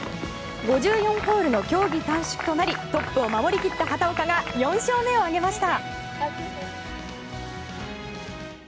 ５４ホールの競技短縮となりトップを守り切った畑岡が４勝目を挙げました。